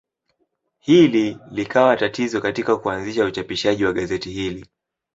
Hili likawa tatizo katika kuanzisha uchapishaji wa gazeti hili.